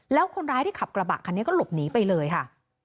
แล้วคนร้ายที่ขับกระบะคันนี้ก็หลบหนีไปเลยค่ะ